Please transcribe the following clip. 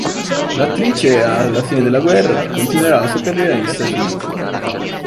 L'attrice, alla fine della guerra, continuerà la sua carriera negli Stati Uniti.